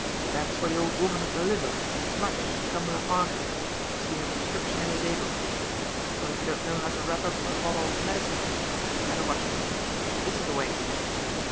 "That's for the old woman with the liver, Mrs. Mudge, Cumberland Market, you'll see her prescription in the day book. S'pose you don't know how to wrap up a bottle of medicine. Better watch me. This is the way."